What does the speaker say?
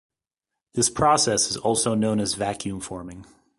This process is also known as vacuum forming.